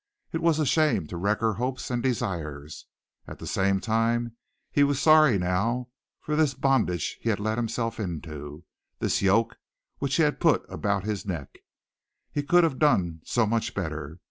It was a shame to wreck her hopes and desires. At the same time he was sorry now for this bondage he had let himself into this yoke which he had put about his neck. He could have done so much better.